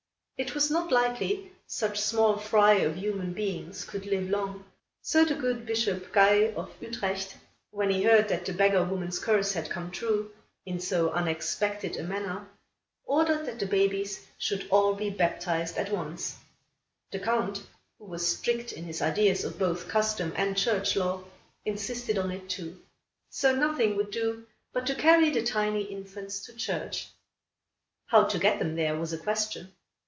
It was not likely such small fry of human beings could live long. So, the good Bishop Guy, of Utrecht, when he heard that the beggar woman's curse had come true, in so unexpected a manner, ordered that the babies should be all baptized at once. The Count, who was strict in his ideas of both custom and church law, insisted on it too. So nothing would do but to carry the tiny infants to church. How to get them there, was a question.